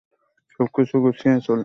সবকিছু গুছিয়ে চলে আয়।